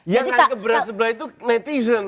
yang dianggap berat sebelah itu netizen